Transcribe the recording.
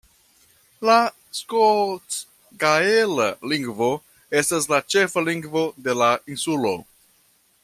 La skotgaela lingvo estas la ĉefa lingvo de la insulo.